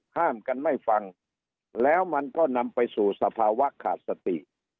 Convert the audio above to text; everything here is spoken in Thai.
ห้ามกันไม่ฟังแล้วมันก็นำไปสู่สภาวะขาดสติ